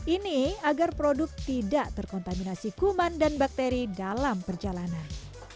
ini agar produk tidak terkontaminasi kuman dan bakteri dalam perjalanan